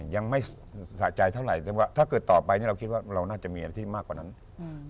ยังไม่สะใจเท่าไหร่แต่ว่าถ้าเกิดต่อไปเนี้ยเราคิดว่าเราน่าจะมีอาชีพมากกว่านั้นอืม